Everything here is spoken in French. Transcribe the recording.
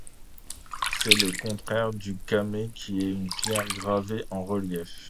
C'est le contraire du camée qui est une pierre gravée en relief.